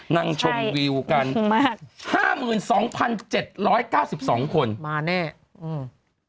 นั่งชมวิวกันมากห้าหมื่นสองพันเจ็ดร้อยเก้าสิบสองคนมาแน่อืม